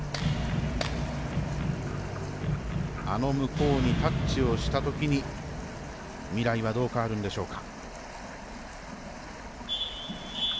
あの向こうにタッチをしたときに未来はどう変わるんでしょうか。